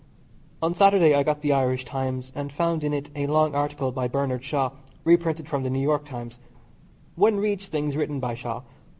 On Saturday I got the Irish Times, and found in it a long article by Bernard Shaw (reprinted from the New York Times). One reads things written by Shaw.